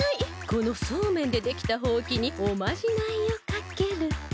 このソーメンでできたほうきにおまじないをかけると。